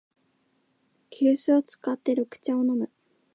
急須を使って緑茶を飲む